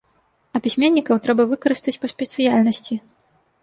А пісьменнікаў трэба выкарыстаць па спецыяльнасці.